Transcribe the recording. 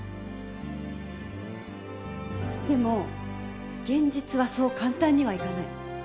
でも現実はそう簡単にはいかない。